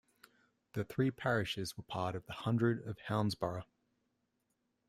The three parishes were part of the hundred of Houndsborough.